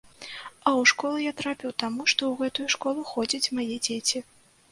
А ў школу я трапіў таму, што ў гэтую школу ходзяць мае дзеці.